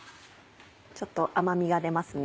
ちょっと甘みが出ますね。